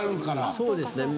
そうですね。